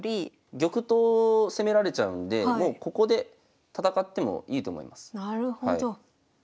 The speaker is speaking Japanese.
玉頭を攻められちゃうんでもうここで戦ってもいいと思います。